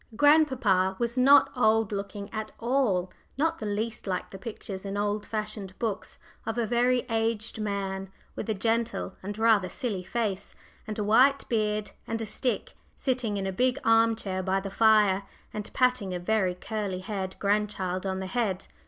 Grandpapa was not old looking at all not the least like the pictures in old fashioned books of a very aged man, with a gentle and rather silly face, and a white beard, and a stick, sitting in a big arm chair by the fire, and patting a very curly haired grandchild on the head.